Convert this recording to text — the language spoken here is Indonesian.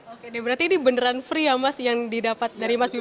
oke berarti ini beneran free ya mas yang didapat dari mas bima